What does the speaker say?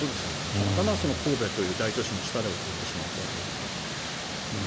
たまたま神戸という大都市の下で起こってしまったということ。